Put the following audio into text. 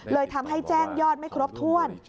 เลยทำให้แจ้งยอดไม่ครบถ้วน